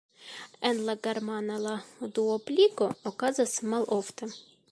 En la germana la duobligo okazas malofte.